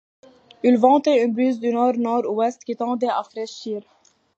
Il vantait une brise du nord-nord-ouest qui tendait à fraîchir.